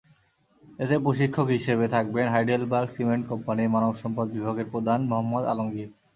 এতে প্রশিক্ষক হিসেবে থাকবেন হাইডেলবার্গ সিমেন্ট কোম্পানির মানবসম্পদ বিভাগের প্রধান মোহাম্মদ আলমগীর।